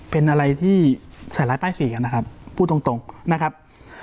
เป็นอะไรที่ใส่ร้ายป้ายสีกันนะครับพูดตรงนะครับ